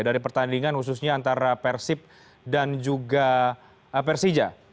dari pertandingan khususnya antara persib dan juga persija